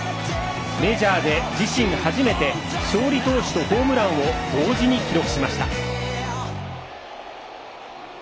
メジャーで自身初めて勝利投手とホームランを同時に記録しました。